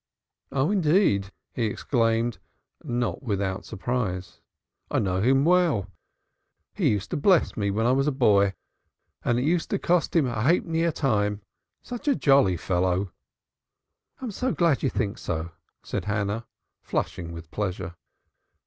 "Oh, indeed!" he exclaimed, not without surprise, "I know him well. He used to bless me when I was a boy, and it used to cost him a halfpenny a time. Such a jolly fellow!" "I'm so glad you think so," said Hannah flushing with pleasure.